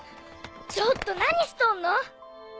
ちょっと何しとんの？